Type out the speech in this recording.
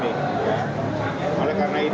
artinya tidak perlu perpancing dan ini